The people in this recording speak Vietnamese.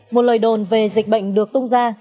một lời đồn về dịch bệnh được tung ra